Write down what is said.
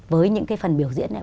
với những cái phần biểu diễn này